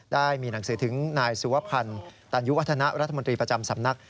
ได้มีหนังสือถึงนายสุวพันธ์ตันยุวัฒนะรัฐมนตรีประจำสำนัก